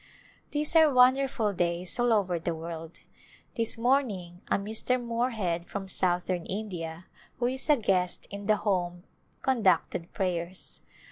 These are wonderful days all over the world. This morning a Mr. Morehead from Southern India who is a guest in the Home conducted prayers.